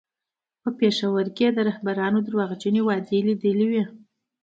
په پېښور کې یې د رهبرانو درواغجنې وعدې لیدلې وې.